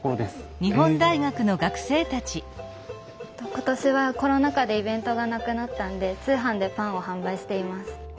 今年はコロナ禍でイベントがなくなったんで通販でパンを販売しています。